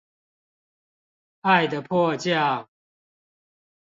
愛的迫降